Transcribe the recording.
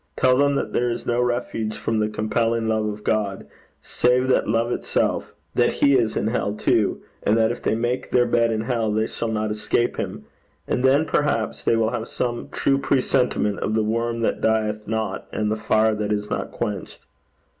Tell them that there is no refuge from the compelling Love of God, save that Love itself that He is in hell too, and that if they make their bed in hell they shall not escape him, and then, perhaps, they will have some true presentiment of the worm that dieth not and the fire that is not quenched.